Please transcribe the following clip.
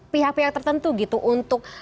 pihak pihak tertentu gitu untuk